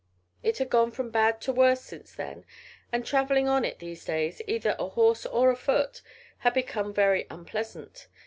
It had gone from bad to worse since then, and travelling on it these days either ahorse or afoot had become very unpleasant.